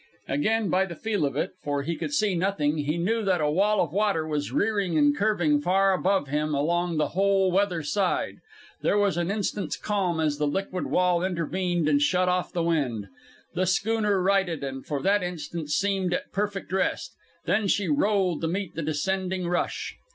Again by the feel of it, for he could see nothing, he knew that a wall of water was rearing and curving far above him along the whole weather side. There was an instant's calm as the liquid wall intervened and shut off the wind. The schooner righted, and for that instant seemed at perfect rest. Then she rolled to meet the descending rush.